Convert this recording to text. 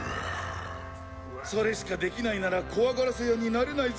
それしかできないなら怖がらせ屋になれないぞ